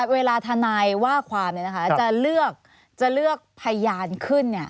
เวลาทนายว่าความจะเลือกพยานขึ้น